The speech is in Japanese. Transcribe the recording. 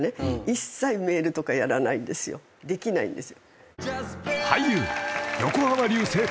できないんです。